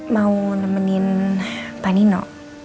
mau nemenin pak nino